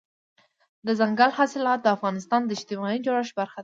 دځنګل حاصلات د افغانستان د اجتماعي جوړښت برخه ده.